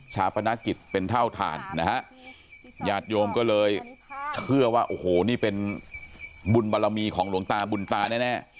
ปนกิจเป็นเท่าฐานนะฮะญาติโยมก็เลยเชื่อว่าโอ้โหนี่เป็นบุญบารมีของหลวงตาบุญตาแน่